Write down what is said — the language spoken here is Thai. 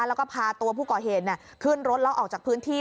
แล้วก็พาตัวผู้ก่อเหตุขึ้นรถแล้วออกจากพื้นที่